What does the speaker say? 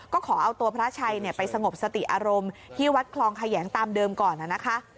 ก็ขอเอาตัวพระชัยไปสงบสติอารมณ์ที่วัดคลองแขยงตามเดิมก่อนนะคะ